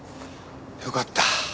よかった。